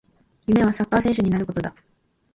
夢はサッカー選手になることだ